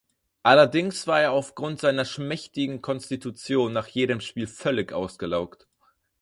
Allerdings war er aufgrund seiner schmächtigen Konstitution nach jedem Spiel völlig ausgelaugt.